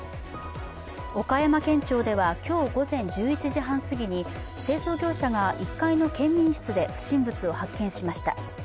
岡山県庁では今日午前１１時半すぎに清掃業者が１階の県民室で不審物を発見しました。